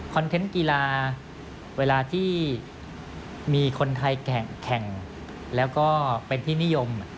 เทนต์กีฬาเวลาที่มีคนไทยแข่งแล้วก็เป็นที่นิยม